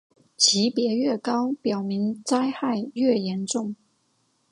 级别越高表明灾害越严重。